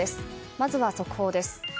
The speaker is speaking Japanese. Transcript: まずは速報です。